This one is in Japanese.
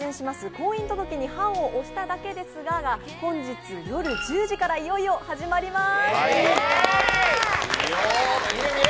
「婚姻届に判を捺しただけですが」が本日夜１０時からいよいよ始まります。